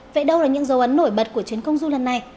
vậy đâu là những dấu ấn nổi bật của chuyến công du lần này